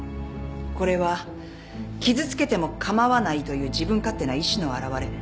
これは傷つけても構わないという自分勝手な意思の表れ。